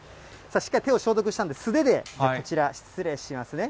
しっかり手を消毒したんで、素手でこちら失礼しますね。